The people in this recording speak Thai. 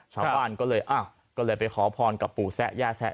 ชาวบ้านก็เลยไปขอพรกับปู่แซะย่าแซะ